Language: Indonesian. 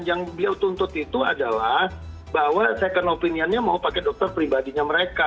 yang beliau tuntut itu adalah bahwa second opinionnya mau pakai dokter pribadinya mereka